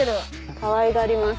かわいがります